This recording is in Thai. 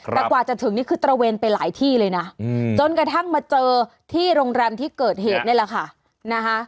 แต่กว่าจะถึงนี่คือตระเวนไปหลายที่เลยนะจนกระทั่งมาเจอที่โรงแรมที่เกิดเหตุนี่แหละค่ะนะคะ